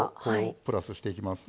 プラスしていきます。